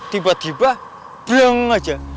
tiba tiba bleng aja